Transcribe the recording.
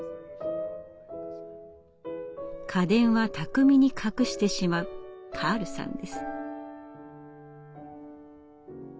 家電は巧みに隠してしまうカールさんです。